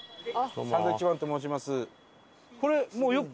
サンドウィッチマンと申します。